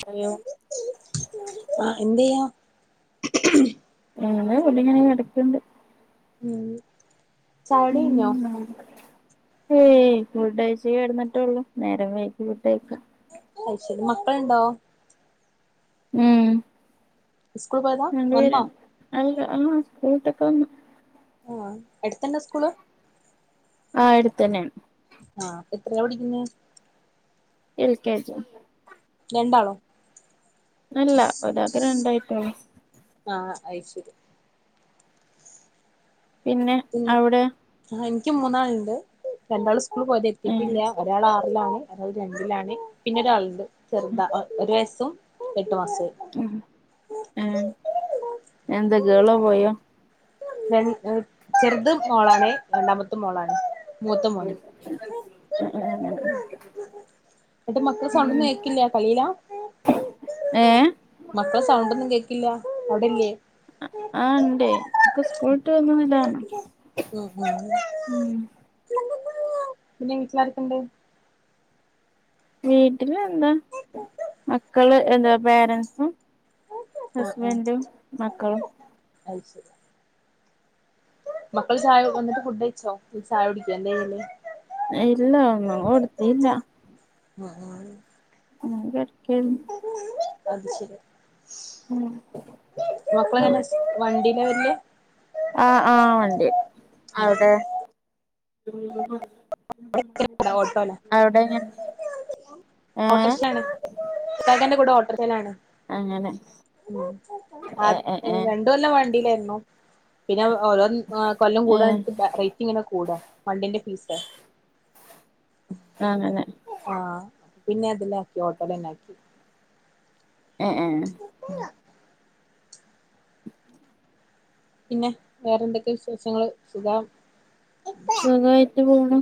Hello? ആഹ്‌ എന്തെയ്യാ? ഞങ്ങള് വിടിങ്ങനെ കെടക്ക്ണ്ട് ചായുടിഴിഞ്ഞോ? ഏഹ്‌ ഫുഡഴിച്ച് കെടന്നിട്ടേള്ളു നേരം വൈകും ഫുഡഴിക്കാൻ അത് ശരി മക്കള്ണ്ടോ? ഉം സ്കൂള് പോയതാ രണ്ട് വന്നോ? പേരുണ്ട് അല്ല ആഹ് സ്കൂള്ട്ടൊക്കെ വന്ന് ആഹ് അടുത്തന്നെ സ്കൂള്? ആഹ് അടുത്തന്നെയാ ആഹ് എത്രയിലാ പടിക്കുന്നെ? എൽ കെ ജി രണ്ടാളും അല്ല ഒരാക്ക്‌ രണ്ടായിട്ടൊള്ളു ആഹ് അയ്ശെരി പിന്നെ അവിടെയോ ആഹ് എനിക്ക് മൂന്നാള്ണ്ട് രണ്ടാള് സ്കൂള് പോയതാ ഉം എത്തീട്ടില്ല ഒരാളാറിലാണ് ഒരാൾ രണ്ടിലാണ് പിന്നെ ഒരാള്ണ്ട് ചെറുതാ ഒ ഒരു വയസ്സും എട്ട് മാസായി ആഹ് ഏഹ് എന്താ ഗേളോ ബോയോ? രണ്ട് എ ചെറുത് മോളാണ് രണ്ടാമത്തും മോളാണ് മൂത്തമോനും പെട്ടന്ന് മ് എന്നിട്ട് മക്കളെ സൗണ്ടൊന്നും കേക്കില്ല കൈയിലാ ഏഹ് മക്കളെ സൗണ്ടൊന്നും കേക്കില്ല അവടില്ലേ? ആഹ് ഇണ്ട് ഒക്കെ സ്കൂള്ട്ട് വന്നതിലാണ് ഉം ഉം പിന്നെ വീട്ടിലാരൊക്കെ‌ണ്ട് വീട്ടില് എന്താ മക്കള് എന്താ പേരൻസും ഹസ്ബന്റും മക്കളും അത്ശെരി മക്കള് ചായ വന്നിട്ട് ഫുഡയിച്ചോ ചായ കുടിക്കേ എന്താ ചെയ്യല്? ഇല്ല ഒന്നും കൊടുത്തീല്ലാ [unintelligible] ഞാൻ കെടക്കേയിരുന്നു അത് ശരിയാ ഉം മക്കളെങ്ങനെ സ് വണ്ടീലാ വെരല് ആഹ് ആഹ് വണ്ടി അവിടെ ഓട്ടോലാ അവിടെങ്ങൻ ഏഹ് ഇക്കാക്കേന്റെ കൂടെ ഓട്ടർഷയിലാണ് അങ്ങനെ ഉം അത് ഏഹ് ഏഹ് ഏഹ് രണ്ട് കൊല്ലം വണ്ടിലാരുന്നു പിന്നെ ഓരോ ഏഹ് കൊല്ലം കൂടാ റേറ്റിങ്ങനെ കൂടാ വണ്ടീന്റെ ഫീസ് ഉം അങ്ങനെ ആഹ് പിന്നതിലാക്കി ഓട്ടോലെന്നാക്കി ഏഹ് ഏഹ് മ് പിന്നെ വേറെന്തെക്കെയാ വിശേഷങ്ങള് സുഖം സുഖായിട്ട് പോണു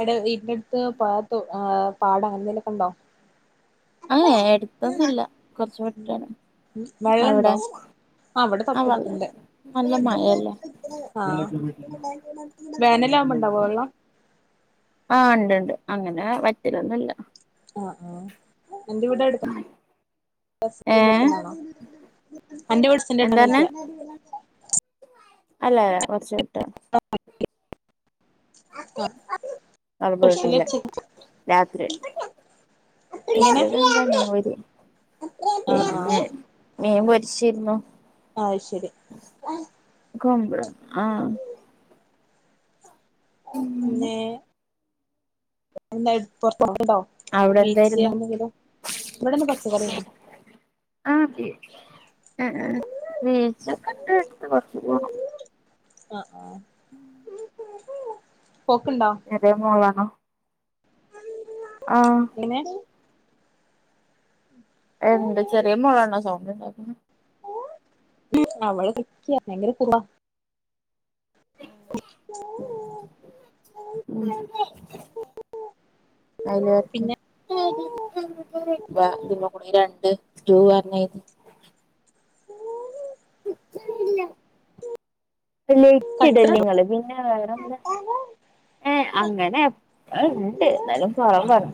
അടെ വീട്ടിന്റട്ത്ത് പാതൊ ആഹ് പാടം അങ്ങനെന്തേലൊക്ക്‌ണ്ടോ ഏഹ് എടുത്തൊന്നുല്ല കുറച്ചു വിട്ടാണ് അവിടെ ആഹ് ഇവിടെ തൊട്ടട്ത്തുണ്ട് നല്ല മഴല്ലേ ആഹ് വേനലാവുമ്പ്ണ്ടാവോ വെള്ളം ആഹ് ഇണ്ട്ണ്ട് അങ്ങനെ വറ്റലൊന്നുല്ല അ ആഹ് എന്റെ വീടടുത്താ [unintelligible] ഏഹ് ണോ അന്റെ വീട് സെന്റ്കെട്ടാനായിക്കാ അല്ലാ കൊറച്ച് വിട്ടാണ് [unintelligible] അഹ് അത് കൊഴപ്പല്ലാ രാത്രി എങ്ങനെ [unintelligible] ആഹ് പിന്നെ ആഹ് മീൻ പൊരിച്ചിരിന്നു ആയ് ശേരി ആഹ് പിന്നെ എന്തേ [unintelligible] [unintelligible] അവിടെ എന്തായിരുന്നു ഇവടെ ഇന്ന് പച്ചക്കറിയെര്ന്നു ആഹ് ബീച്ച് ഏഹ് ബീച്ചേക്കൊണ്ട് കൊറച്ച് പോണം അ ആഹ് ഉം പോക്കുണ്ടോ എതേ മോളാണോ ആഹ് എങ്ങനേ എന്ത് ചെറിയ മോളണേ സൗണ്ട്ണ്ടാക്കണേ അവള് [unintelligible] പോവാ [unintelligible] ഉം അയ്ല വറ്ത്തേ പിന്നെ ബ ഇതുമക്കൂടെ ഈ രണ്ട് സ്റ്റു പറഞ്ഞാരി [inaudible] കച്ചറ ലെയ്റ്റിടല്ലിങ്ങള് പിന്നെ വേറെന്താ യെ അങ്ങനെ എപ്പോഴും ഇണ്ട് എന്നാലും പാവാണ്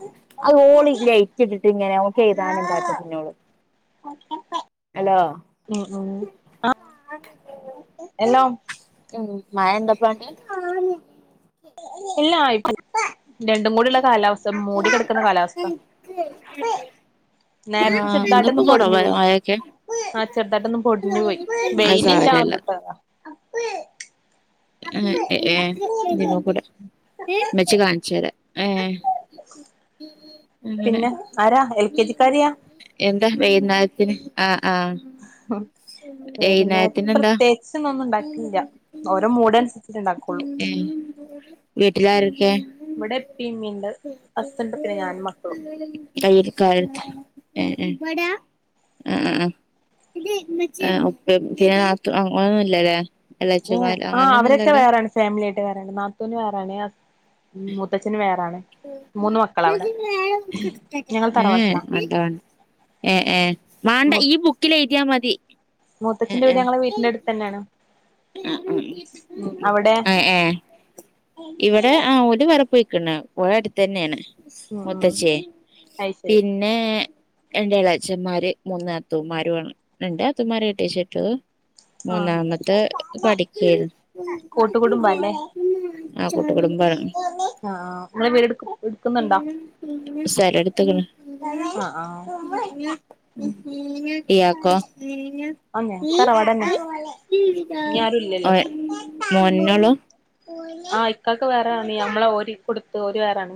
ഓള് ലൈറ്റിട്ടിട്ടങ്ങനെ ഓക്ക് എയ്താനെന്താട്ടാ പിന്നൊള് [inaudible] അലോ ഉം ഉം അ അലോ ഉം മയ എന്താ പണി ഇല്ല്യാ രണ്ടും കൂടിള്ള കാലാവസ്ഥ മൂടി കെടാക്ക്ന്നാ കാലാവസ്ഥ നേരത്തെ ആഹ് ചെതായിട്ട് ഇന്നിപ്പോ ഒന്ന് പൊടിഞ്ഞു കൊറവായി പോയി മഴയൊക്കെ ആഹ് ചെറുതായിട്ട് ഒന്ന് പൊടിഞ്ഞ് പോയി അത് വെയില് ഇല്ലാ സാരല്ല [unintelligible] ആഹ് യെ ഇതുമ്മാക്കുടെ ഉമ്മിച്ചി കാണിച്ചര ഏഹ് അങ്ങനെ പിന്നെ ആരാ എൽ കെ ജിക്കാരിയാ എന്താ വൈന്നേരത്തിന് അ ആഹ് വൈക്ന്നെ വൈകുന്നേരത്തിന് എന്താ പ്രത്യേകിച്ച് ഇന്നും ഒന്നും ഉണ്ടാക്കീല്ല്യാ ഓരോ മൂഡ് അന്സരിച്ചിട്ടേ ഒണ്ടാക്കുള്ളൂ ഉം വീട്ടില് ആരൊക്കെ ഇവടെ ഇപ്പേയൊ ഇമ്മേ ഇണ്ട് അസ്ബെൻൻ്റെ പിന്നെ ഞാനും മക്കളും [unintelligible] യെ യെ ആഹ് [unintelligible] എല്ലാച്ച്മ്മാരും ആഹ് അവരൊക്കെ വേറാണ് ഫാമിലിയായിട്ട് വേറെ ആണ് നാത്തൂന് വേറെ ആണ് മുത്താച്ഛന് വേറെ ആണ് ഉം ഞങ്ങൾ തറവാട്ടിലാ വേണ്ടാ വെ [unintelligible] എഹ് എഹ് മാണ്ടാ ഈ ബുക്കില് എഴുതിയ മതി മൂത്താച്ഛൻ്റെ വീട് ഞങ്ങളെ വീട്ടിന്റെ അട്ത്ത് അന്നെയാണ് ആഹ് ആഹ് എഹ് ഇവടെ ആഹ് ഒര് [unintelligible] ഓര് അട്ത്ത് അന്നെയാണ് ഉം ഉം മൂത്തച്ചേയ് അത് പിന്ന ശരി പിന്നെ എന്റെ ഇളയച്ചന്മാര് മൂന്ന് നാത്തൂൻമാരും ആണ്. രണ്ട് നാത്തൂൻമാരേ കെട്ടിച്ച് വിട്ടു പി,, ആ മൂന്നാമത്തെ പഠിക്കാണ് കൂട്ടുകുടുംബല്ലേ ആ കുട്ടികളും ആ നിങ്ങള് വീട് എടുക്കുന്നുണ്ടോ സ്ഥലം എടുത്തേക്കാണ് അഹ് ആഹ് ഇയാക്കോ അങ്ങ് തറവാടെന്നെയാ. ഇനി ഓ ആരുല്ലല്ലോ മോനോള്ളൂ ആഹ് ഇക്കാക്ക് വേറെ പണിയാ. നമ്മളെ ഓരി കൊടു ഓര് വേറെയാണ്,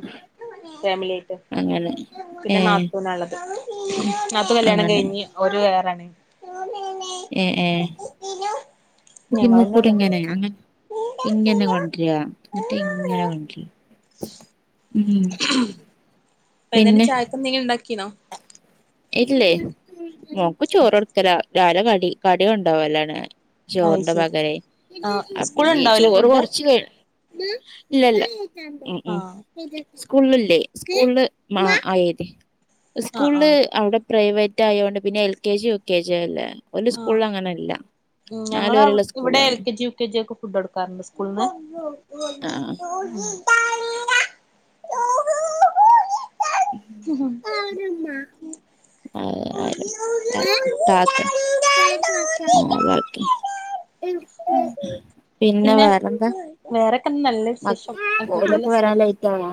ഫാമിലി ആയിട്ട് അങ്ങനെ ഏ പിന്നെ നാത്തുനാ ഉള്ളത് നാത്തൂൻ കല്യാണം അങ്ങനെ കഴിഞ്ഞ് ഓല് വേറെയാണ്. ഏഹ് ഏഹ് ഞങ്ങളെന്നെ ഉള്ളു ഇമൂക്കടുങ്ങനെ അങ്ങനെ ഇങ്ങനെ കൊണ്ടുവരിക. എന്തിട്ട് ഇങ്ങന കൊണ്ട് വരുക ഉം വൈകുന്നേരം പിന്നെ ചായക്ക് എന്തെങ്കിലും ഉണ്ടാക്കീനോ ഇല്ലേ. മോക്ക് ചോറ് കൊടുക്കല. രാവിലെ കടി, കടിയാ കൊണ്ടോകലാണ് അയ് ചോറിന്റെ ശരി വകയിയി. ആ അ സ്കൂൾ പിന്നെ ഉണ്ടാവൂലേ ചോറ് ഫുഡ് കുറച്ച് ഇല്ലല്ല ഉം ആ ഉം സ്കൂളില്ലേ, സ്കൂള് മാ ആയേര്. ആ ആ സ്കൂള് അവിടെ പ്രൈവറ്റ് ആയതോണ്ട് പിന്നെ L K G. U K G അല്ലേ. ഓലെ സ്കൂളിൽ അങ്ങനെയല്ല. ഞങ്ങളെ ഇവിടെ L K G U K G ഒക്കെ ഫുഡ് കൊടുക്കാറുണ്ട് സ്കൂളിൽന്ന് ആഹ് പോടീ ഉം ഉം [unintelligible] ആഹ് ആഹ്.. താത്ത് ആഹ് അതാക്ക്. പിന്നെ വേറെന്താ വേറൊക്കെ നല്ല മ വിശേഷം. ഓലൊക്കെ സുഖം. വരാൻ ലേറ്റ് ആയോ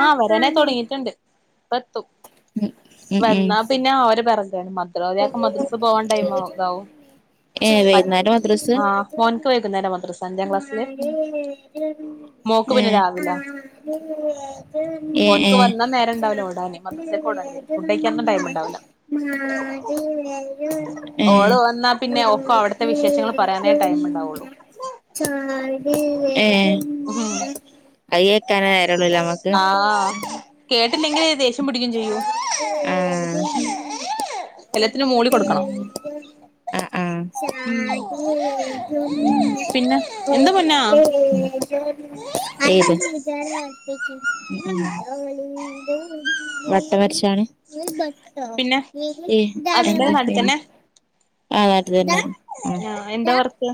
ആ വരാൻ ആയി തുടങ്ങിയിട്ടുണ്ട് [unintelligible] ഇപ്പം എത്തും. ഉം ഉം ഉം വന്നാ പിന്നെ അവര് പിറകയാണ്. അത് കഴിയുമ്പോ മദ്രസ്സ പോകേണ്ട ടൈം ആവും. എഹ്. ഇനി വൈകുന്നരം ആഹ് മോൻക്ക് വൈകുന്നേരം മദ്രസ്സ. ഉം മോക്ക് പിന്നെ രാവിലാ എഹ് എഹ് ഓൻക്ക് വന്നാ നേരം ഉണ്ടാവില്ല ഓടാന് ഉ മദ്രസേക്ക് ഓടേണ്ടി വരും ഫുഡ് കഴിക്കാനൊന്നും ടൈം ഉണ്ടാവില്ല അത [inaudible] ഓള് വന്നാ പിന്നെ ഓക്ക് അവിടത്തെ വിശേഷങ്ങൾ പറയാനേ ടൈം ഉണ്ടാവുള്ളു. [unintelligible] ഏഹ് ഉം അത് കേൾക്കാനെ നേര ആഹ് കേട്ടില്ലെങ്കിൽ ദേഷ്യം പിടിക്കും ചെയ്യും. ആഹ് എല്ലാത്തിനും മൂളി കൊടുക്കണം ആഹ് ആഹ് ഉം പിന്നെ എന്താ പൊന്നാ ഏത് ഉം ഉം വട്ടം വരച്ചാണ്. പിന്നെ ഏഹ്. എന്താ ഹസ്ബൻഡ് നാട്ടിൽ പിന്നെ തന്നെ ആ അത് തന്നെ ആഹ് എന്താ വർക്ക്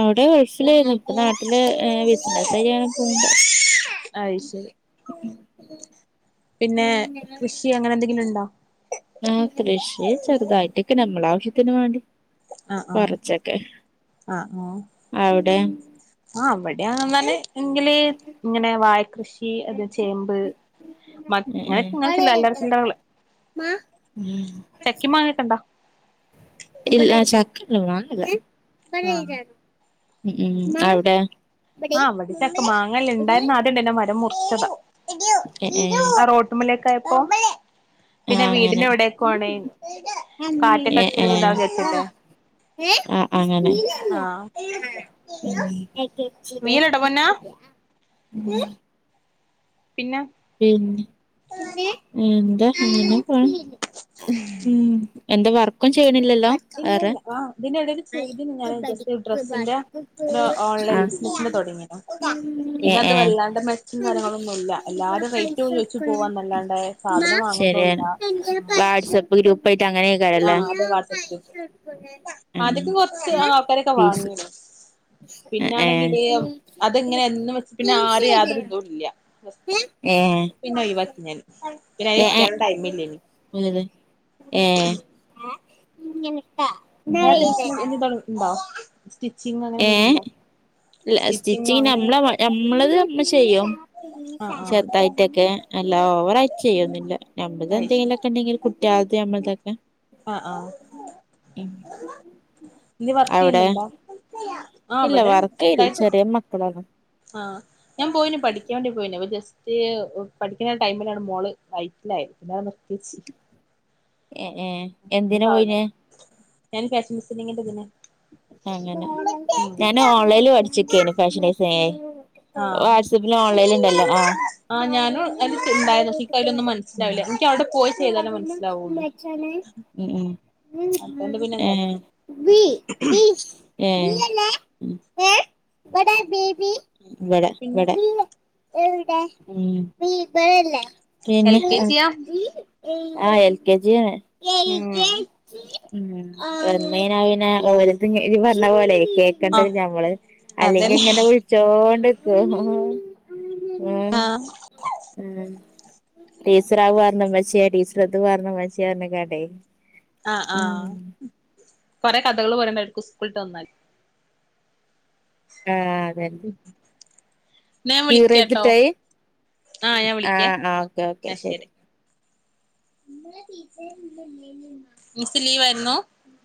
അവിടെ ഗൾഫിലാരുന്നു. ഇപ്പം നാട്ടില് ബിസിനസെയ്യാൻ പോന്നുണ്ട്. അയ്ശരി ഉം പിന്നെ കൃഷി അങ്ങനെ എന്തെങ്കിലും ഉണ്ടോ? ആഹ് കൃഷി ചെറുതായിട്ടൊക്കെ. നമ്മളെ ആവശ്യത്തിന് വേണ്ടി ആഹ് ആഹ് കുറച്ചൊക്കെ. ആഹ് ആഹ് അവ്ടെ? ആഹ് ഇവടെ അങ്ങൻതന്നെ എങ്കില് ഇങ്ങനെ വാഴ കൃഷി ഇ അ ചേമ്പ്, മര ഉം അങ്ങനെ ഇങ്ങന ചില അല്ലറ ഉം ചില്ലറകള്. ഉം ചക്കിം മങ്ങി ഒക്കെ ഉണ്ടോ? ഇല്ല ചക്കണ്ട് മാങ്ങില്ല. ആഹ് ഉം ഉം അവ്ടെ ആഹ് ഇവിടച്ചക്ക മാങ്ങല്യ ണ്ടായിരുന്നു. ആദ്യണ്ടാര്ന്നു. മരം മുറിച്ചതാ. ഏ ഏ ആ റോ ട്ട്മലേക്കായപ്പോ ആ പിന്നെ അങ്ങനെ വീടിന്റെ അവിടേക്കും ആണ്. കാറ്റകടിച്ചാൽ ഇതാവും വിചാരിച്ചിട്ടേ ആഹ് ആഹ് അങ്ങനെ ഉം ആഹ് വീയല്ണ്ടോ പൊന്നാ ഉം പിന്നെ പിന്നെ എന്താ ഇങ്ങനെ പോണ്. ഉം എന്താ വർക്കും ചെയ്യണില്ലല്ലോ? വേറെ ഇല്ലല്ല ആ ഇതിനിടയിൽ ചെയ്തിന് ഞാൻ ജസ്റ്റ് ഡ്രസ്സിന്റെ ഒരു ഓൺലൈൻ ആഹ് ബിസിനസിന്റെ തുടങ്ങിനു ഏ പിന്നെ അത് ഏഹ് വല്ലാണ്ട് മെച്ചം കാര്യങ്ങളൊന്നുല്ല എല്ലാരും റേറ്റ് ചോദിച്ചു പോവാന്നല്ലാണ്ട് സാധനം ശര്യേ വാങ്ങുന്നുല്ല വാട്സ്ആപ്പ് ഗ്രൂപ്പാട്ട് അങ്ങനെ ആഹ് അതെ വാട്സആപ്പ് ഗ്രൂപ്പ്. ഉം ആദ്യൊക്കെ കൊറച്ച് ആൾക്കാരൊക്കെ ഫീസ് വാങ്ങിനി. എ ഏ പിന്നാണെങ്കില് അതങ്ങനെ എന്നും വെച്ച പിന്നെ ആരേ യാതൊരു ഇതും ഇല്ല. ഏഹ് പിന്നെ ഒയിവാക്കി ഞാൻ. പിന്നെ അയിന് ഇരിക്കാനും ടൈമ് ഇല്ലേനി. അത് ഏഹ് മ്പ സ്റ്റിച്ചിംങ്ങ അങ്ങനെ എന്തേലും ഉണ്ടോ? ഇല്ല. സ്റ്റിച്ചിങ്ങോ സ്റ്റിച്ചിങ് അങ്ങനെ നമ്മളെ എന്തെലും നമ്മളത് നമ്മ ചെയ്യും. ആ ആ ചെറുതായിട്ടൊക്കെ അല്ല ഓവറായി ചെയ്യൊന്നില്ല. നമ്മത് അയ്ശരി എന്തെങ്കിലൊക്കെ ഉണ്ടെങ്കിൽ കു രാത്രി അമ്മൾ തൊക്കെ ആഹ് ആഹ്? നീ വർക്ക് അവിടെ ചെയ്യുന്നുണ്ടോ ആഹ് ഇല്ല വടെ വർക്ക് ഇല്ല ചെറിയ മക്കളാണ് ആഹ് ഞാൻ പോയീനി പഠിക്കാൻ വേണ്ടി പോയീനി. തിയെ പഠിക്കുന്ന ടൈമിലാണ് മോള് വൈറ്റിലായത് പിന്നെ അത് നിർത്തിവച്ച് എഹ് ഏഹ് [unintelligible] ഞാൻ ഫാഷൻ ടിസ്സിങ്ങിന്റെ ഇതിന് അങ്ങനെ ഉം ഞാന് ഓൺലൈനി പഠിചിക്കേന് ഫാഷൻ ഡിസൈ ആഹ് വാട്സ്ആപ്പിലും ഓൺലൈനൽ ണ്ടല്ലോ ആഹ് ആഹ് ഞാനും വറെണ്ണം അതില് അച്ഛന്റെ ഉണ്ടായിരുന്നു പക്ഷെ വീട്ടി എനിക്ക് പോ അതിലൊന്നും മനസ്സിലാവില്ല എനിക്ക് അവിടെ പോയി ചെയ്താലേ വറെണ്ണം മനസ്സിലാവുള്ളൂ മച്ചണ് ഉം അതുകൊണ്ട് ഉം പിന്നെ എന്താക്കി ഏഹ് ഏഹ് ഉം ഇവടെ പിന്നെ വടെ ഉം എൽ പിന്നെ കെ ജിയാ ആഹ് എൽ കെ ജിയണ് ഉം ഉം വന്നെയ്ന പിന്നെ ഓര്ത്ഞ് ഇ പർഞ്ഞ പോലെ ക്കെ ആഹ് ക്കണ്ടഹ് ഞമ്മള് അല്ലെങ്കി അതന്നെ ഇങ്ങനെ വിളിച്ചോണ്ട്ക്കും ഏഹ് ആഹ് പിന്നെ ടീച്ചർ അഹ് പറഞ്ഞു മ്മച്യേ ടീച്ചർ ഇത് പറഞ്ഞു മ്മച്യേ അർഞ് ങ്ങാണ്ടേ ആഹ് ആഹ് കൊറെ കഥകള് പറയണ്ടായിരിക്കും സ്കൂളിട്ട് വന്നാൽ ആഹ് അതെ ന്നാ ഞാൻ വിളിക്കാട്ടോ ഞാൻ വിളിക്കേ ആഹ് ആഹ് ഓക്കേ ഓക്കെ ശരി മിസ് ലീവായിരുന്നു